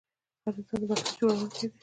هر انسان د برخلیک جوړونکی دی.